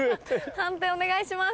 判定お願いします。